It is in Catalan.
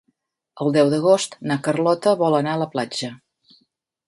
El deu d'agost na Carlota vol anar a la platja.